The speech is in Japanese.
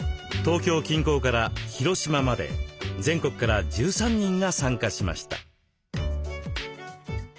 東京近郊から広島まで全国から１３人が参加しました。